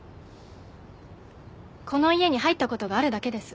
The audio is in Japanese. この家に入った事があるだけです。